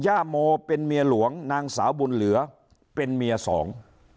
ย่าโมเป็นเมียหลวงนางสาวบุญเหลือเป็นเมียสอง